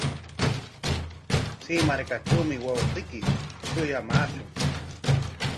Chay markatrawmi wawqiyki shuyamaashun.